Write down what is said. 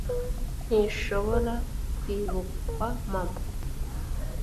ntishobora kwibukwa Mama